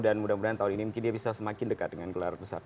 dan mudah mudahan tahun ini mungkin dia bisa semakin dekat dengan gelar peserta